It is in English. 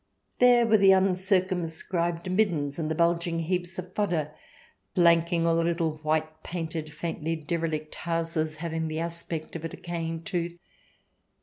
There were the uncircumscribed middens and the bulging heaps of fodder flanking all the little white painted, faintly derelict houses, having the aspect of a decay ing tooth.